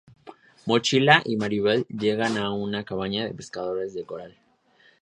Mochila y Mirabel llegan a una cabaña de pescadores de coral.